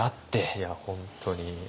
いや本当に。